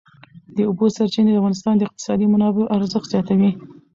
د اوبو سرچینې د افغانستان د اقتصادي منابعو ارزښت زیاتوي.